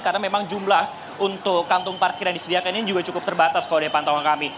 karena memang jumlah untuk kantung parkir yang disediakan ini juga cukup terbatas kalau dari pantauan kami